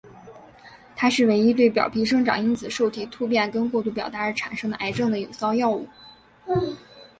它是唯一对表皮生长因子受体突变跟过度表达而产生的癌症的有效药物。